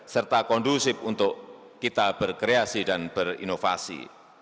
serta kondusif untuk kita berkreasi dan berinovasi